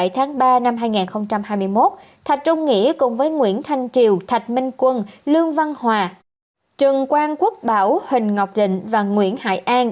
một mươi bảy tháng ba năm hai nghìn hai mươi một thạch trung nghĩa cùng với nguyễn thanh triều thạch minh quân lương văn hòa trần quang quốc bảo hình ngọc định và nguyễn hải an